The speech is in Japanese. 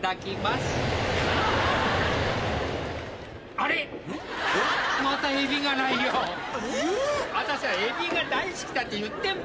あたしゃエビが大好きだって言ってんべ。